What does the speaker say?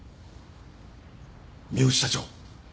三星社長。